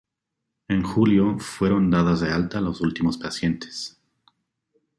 En julio, fueron dadas de alta los últimos pacientes.